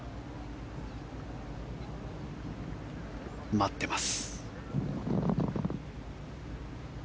待ってます。